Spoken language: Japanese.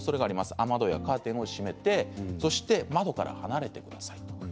雨戸、カーテンを閉めて窓から離れてください。